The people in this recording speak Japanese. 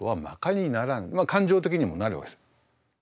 感情的にもなるわけです。